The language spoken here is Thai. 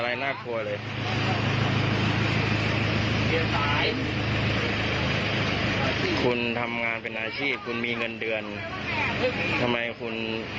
แต่ยังต้องมานั่งเจอเรื่องแบบนี้